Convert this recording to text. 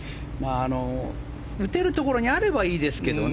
打てるところにあればいいですけどね。